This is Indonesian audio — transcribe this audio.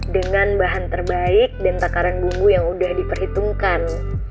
dengan bahan terbaik dan takaran bumbu yang udah diperhitungkan